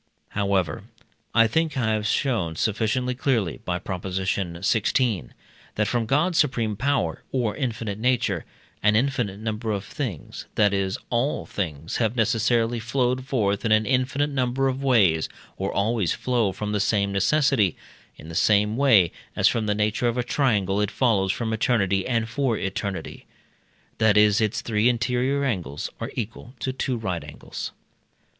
However, I think I have shown sufficiently clearly (by Prop. xvi.), that from God's supreme power, or infinite nature, an infinite number of things that is, all things have necessarily flowed forth in an infinite number of ways, or always flow from the same necessity; in the same way as from the nature of a triangle it follows from eternity and for eternity, that its three interior angles are equal to two right angles.